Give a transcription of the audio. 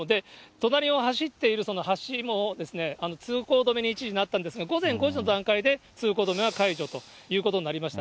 隣を走っているその橋も通行止めに一時なったんですが、午前５時の段階で通行止めは解除ということになりました。